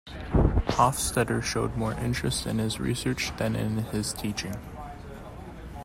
Hofstadter showed more interest in his research than in his teaching.